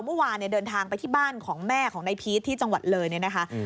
เมื่อวานเนี่ยเดินทางไปที่บ้านของแม่ของนายพีชที่จังหวัดเลยเนี่ยนะคะ